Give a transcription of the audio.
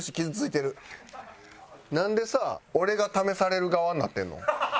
俺が試される側になってるの？